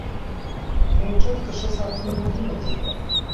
موټر ته ښه ساتنه مهمه ده.